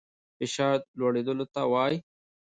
فشار لوړېدلو ته وايي.